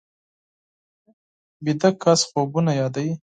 ویده کس خوبونه یادوي